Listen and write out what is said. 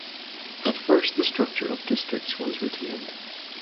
At first the structure of districts was retained.